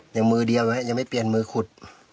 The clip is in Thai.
ยังมือเดียวยังไม่เปลี่ยนมือขุด